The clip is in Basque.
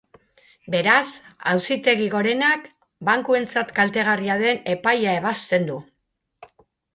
Beraz, Auzitegi Gorenak bankuentzat kaltegarria den epaia ebazten du.